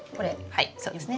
はいそうですね。